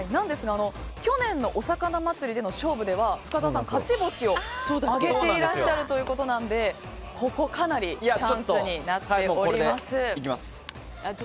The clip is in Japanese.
去年のお魚祭りでの勝負では深澤さん勝ち星を挙げていらっしゃるのでここはかなりチャンスになっています。